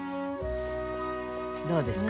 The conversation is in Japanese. どうですか？